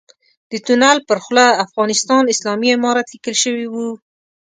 د تونل پر خوله افغانستان اسلامي امارت ليکل شوی و.